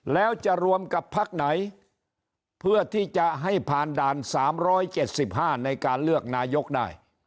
แล้วจะรวมกับภักดิ์ไหนเพื่อที่จะให้ผ่านด่านสามร้อยเจ็ดสิบห้าในการเลือกนายกได้